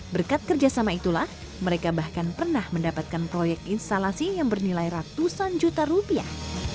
berkat kerjasama itulah mereka bahkan pernah mendapatkan proyek instalasi yang bernilai ratusan juta rupiah